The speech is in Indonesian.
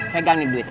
pegang nih duit